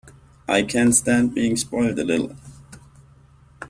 I can stand being spoiled a little.